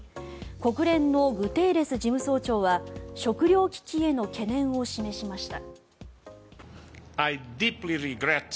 国連のグテーレス事務総長は食糧危機への懸念を示しました。